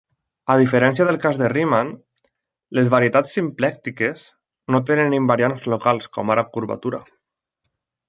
A diferència del cas de Riemann, les varietats simplèctiques no tenen invariants locals, com ara curvatura.